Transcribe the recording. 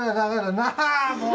なあもう！